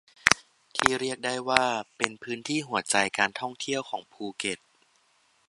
ที่เรียกได้ว่าเป็นพื้นที่หัวใจการท่องเที่ยวของภูเก็ต